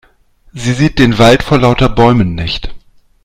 Sie sieht den Wald vor lauter Bäumen nicht.